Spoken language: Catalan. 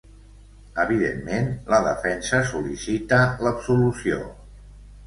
Evidentment, la defensa sol·licita l’absolució.